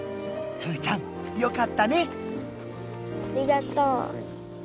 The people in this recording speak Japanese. ふーちゃんよかったね。